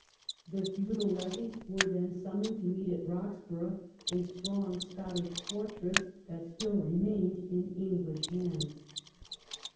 The feudal levies were then summoned to meet at Roxburgh, a strong Scottish fortress that still remained in English hands.